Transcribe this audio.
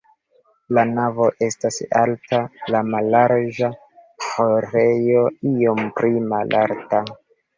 La navo estas alta, la mallarĝa ĥorejo iom pli malalta.